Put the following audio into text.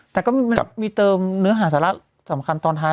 แต่ก็มันมีเติมเนื้อหาสาระสำคัญตอนท้าย